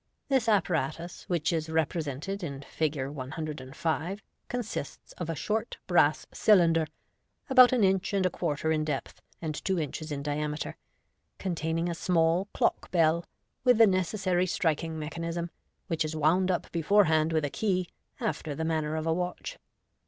This apparatus, which is repre sented in Fig. 105, consists of a short brass cylinder (about an inch and a quarter in depth, and two inches in diameter), contain ing a small clock bell, with the necessary striking mechanism, which is wound up beforehand with a key. after the manner of a watch.